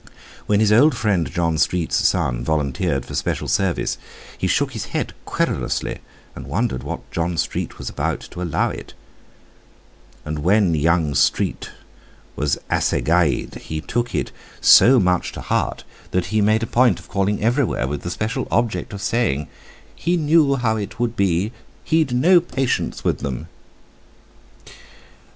When his old friend John Street's son volunteered for special service, he shook his head querulously, and wondered what John Street was about to allow it; and when young Street was assagaied, he took it so much to heart that he made a point of calling everywhere with the special object of saying: He knew how it would be—he'd no patience with them!